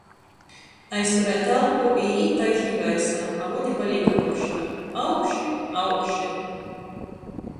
Aizturēt elpu i īt taišni gaisā, a vodi palīk apakšā. Augši, augši.